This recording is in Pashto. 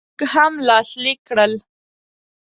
موږ هم لاسلیک کړل.